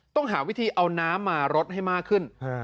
ต้องหาวิธีเอาน้ำมารดให้มากขึ้น